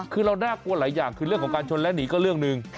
คือเราน่ากลัวหลายอย่างคือเรื่องของการชนและหนีก็เรื่องหนึ่ง